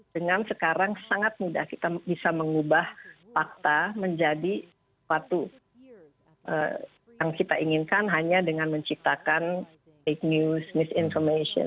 dengan sekarang sangat mudah kita bisa mengubah fakta menjadi suatu yang kita inginkan hanya dengan menciptakan take news misinformation